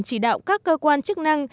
chỉ đạo các cơ quan chức năng